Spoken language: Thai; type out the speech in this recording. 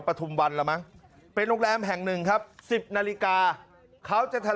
ทุมวันละมั้งเป็นโรงแรมแห่งหนึ่งครับสิบนาฬิกาเขาจะทำ